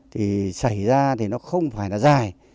thì xảy ra thì nó không phải là dài